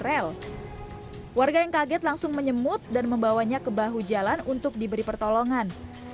rel warga yang kaget langsung menyemut dan membawanya ke bahu jalan untuk diberi pertolongan